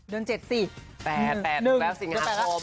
๑เดือน๘สิงหาคม